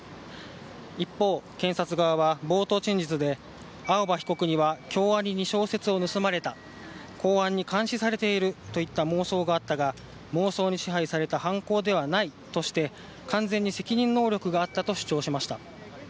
一方、検察側は冒頭陳述で、青葉被告には京アニに小説を盗まれた、公安に監視されているといった妄想があったが、妄想に支配された犯行ではないとして、完全に責任能力があったと主張しました。